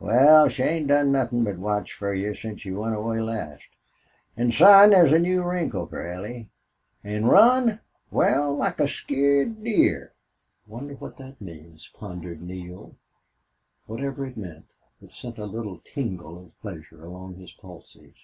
"Wal, she ain't done nothin' but watch fer you since you went away last. An', son, thet's a new wrinkle fer Allie, An' run? Wal, like a skeered deer." "Wonder what that means?" pondered Neale. Whatever it meant, it sent a little tingle of pleasure along his pulses.